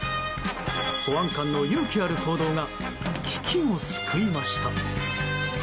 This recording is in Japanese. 保安官の勇気ある行動が危機を救いました。